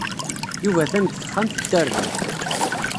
Yuba atan deg texxamt n tarda.